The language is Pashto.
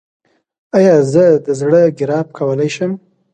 ایا زه د زړه ګراف کولی شم؟